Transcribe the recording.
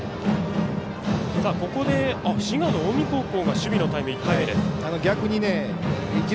ここで滋賀、近江高校が守備のタイム１回目です。